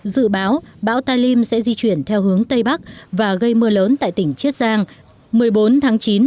dự báo bão talim sẽ di chuyển theo hướng tây bắc và gây mưa lớn tại tỉnh chiết giang một mươi bốn tháng chín